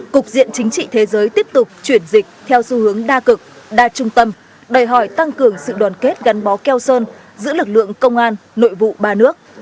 cục diện chính trị thế giới tiếp tục chuyển dịch theo xu hướng đa cực đa trung tâm đòi hỏi tăng cường sự đoàn kết gắn bó keo sơn giữa lực lượng công an nội vụ ba nước